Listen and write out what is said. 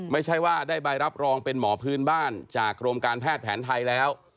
ไม่ใช่ว่าได้ใบรับรองเป็นหมอพื้นบ้านจากกรมการแพทย์แผนไทยแล้ว